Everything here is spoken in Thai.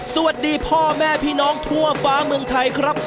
สวัสดีพ่อแม่พี่น้องทั่วฟ้าเมืองไทยครับ